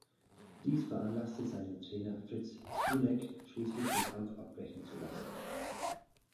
Dies veranlasste seinen Trainer Fritz Sdunek schließlich den Kampf abbrechen zu lassen.